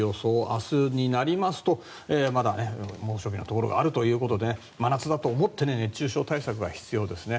明日になりますとまだ猛暑日のところがあるということで真夏だと思って熱中症対策が必要ですね。